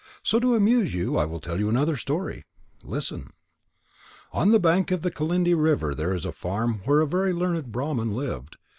So to amuse you I will tell another story. Listen." On the bank of Kalindi River is a farm where a very learned Brahman lived.